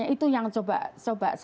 itu yang coba